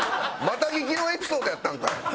また聞きのエピソードやったんかい！